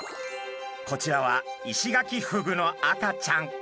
こちらはイシガキフグの赤ちゃん。